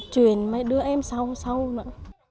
chuyện mới đưa em sâu sâu nữa